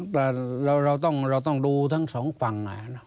แต่เราต้องดูทั้งสองฝั่ง